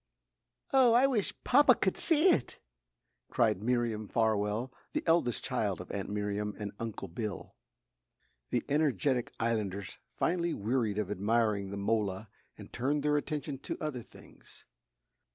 "Oh, I wish Papa could see it!" cried Miriam Farwell, the eldest child of Aunt Miriam and Uncle Bill. The energetic islanders finally wearied of admiring the mola and turned their attention to other things.